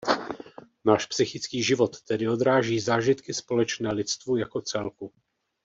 Náš psychický život tedy odráží zážitky společné lidstvu jako celku.